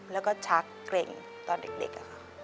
แล้วก็ชักเกร็งตอนเด็กค่ะ